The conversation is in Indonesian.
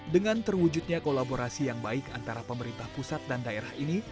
dengan terwujudnya kolaborasi yang baik antara pemerintah pusat dan daerah ini